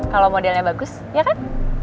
kalau modelnya bagus ya kan